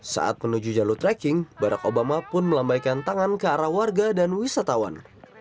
saat menuju jalur trekking barack obama pun melambaikan tangan ke arah warga dan wisatawan